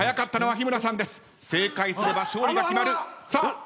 正解すれば勝利が決まる。